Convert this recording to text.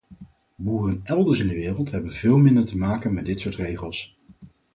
Boeren elders in de wereld hebben veel minder te maken met dit soort regels.